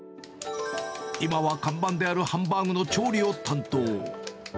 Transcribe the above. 今は看板であるハンバーグの調理を担当。